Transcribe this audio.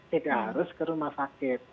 tidak harus ke rumah sakit